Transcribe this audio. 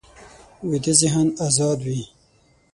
ویده ذهن ازاد وي